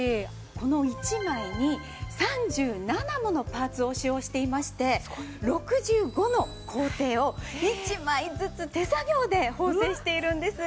この１枚に３７ものパーツを使用していまして６５の工程を１枚ずつ手作業で縫製しているんです。